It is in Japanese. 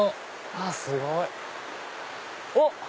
すごい！おっ！